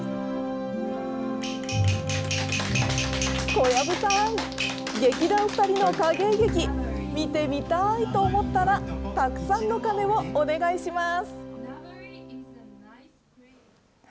小籔さん、劇団ふたりの影絵劇、見てみたいと思ったら、たくさんの鐘をお願いします。